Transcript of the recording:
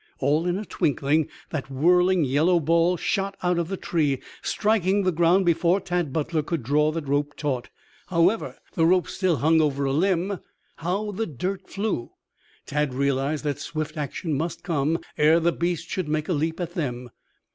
All in a twinkling that whirling yellow ball shot out of the tree, striking the ground before Tad Butler could draw the rope taut. However, the rope still hung over a limb. How the dirt flew! Tad realized that swift action must come ere the beast should make a leap at them.